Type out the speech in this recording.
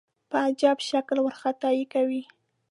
په عجیب شکل وارخطايي کوي.